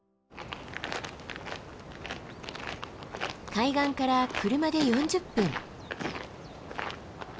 海岸から車で４０分。